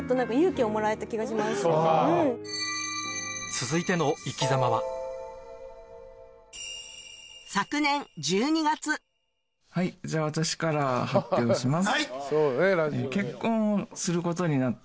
続いてのいきざまは昨年１２月はいじゃ私から発表します。